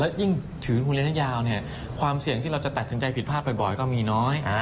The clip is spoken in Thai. และยิ่งถือคุณเรียนท่ายาวเนี่ยความเสี่ยงที่เราจะตัดสินใจผิดภาพบ่อยก็มีน้อย